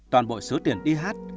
toàn bộ số tiền đi hát